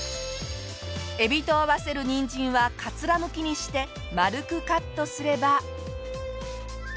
エビと合わせるにんじんはかつらむきにして丸くカットすれば。